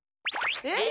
えっ？